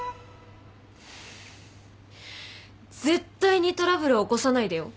絶対にトラブル起こさないでよ。